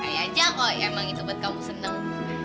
ya aja kok emang itu buat kamu seneng